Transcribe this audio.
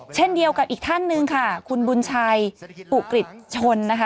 เช่นเดียวกับอีกท่านหนึ่งค่ะคุณบุญชัยอุกฤษชนนะคะ